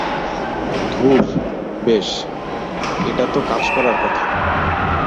ধুর, বেশ, এটাতো কাজ করার কথা!